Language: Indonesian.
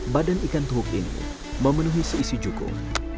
badan ikan tuhuk ini memenuhi seisi cukup